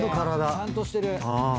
ちゃんとしてる。